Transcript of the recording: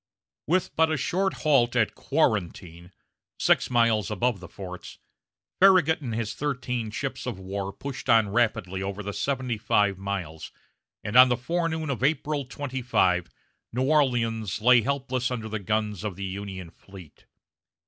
With but a short halt at Quarantine, six miles above the forts, Farragut and his thirteen ships of war pushed on rapidly over the seventy five miles, and on the forenoon of April 25 New Orleans lay helpless under the guns of the Union fleet.